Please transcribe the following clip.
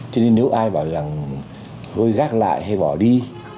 cho nên nếu ai bảo rằng vôi gác lại hay bỏ đi